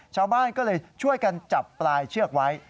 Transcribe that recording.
ชาวบ้านก็เลยช่วยกันจับปลายเชือกไว้